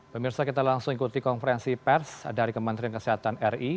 pemirsa kita langsung ikuti konferensi pers dari kementerian kesehatan ri